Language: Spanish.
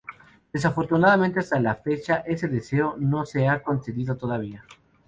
Desafortunadamente, hasta la fecha, ese deseo no se ha concedido todavía.